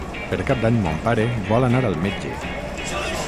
Per Cap d'Any mon pare vol anar al metge.